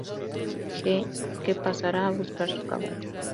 G. que pasará a buscar su caballo.